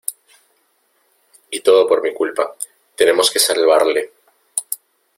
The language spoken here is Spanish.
Y todo por mi culpa. Tenemos que salvarle .